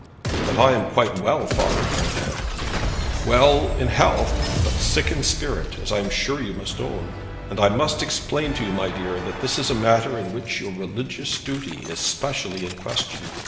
'But I am quite well, Father Gondin.' 'Well in health; but sick in spirit, as I am sure you must own. And I must explain to you, my dear, that this is a matter in which your religious duty is specially in question.